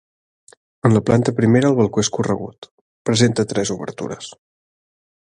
En la planta primera el balcó és corregut, presenta tres obertures.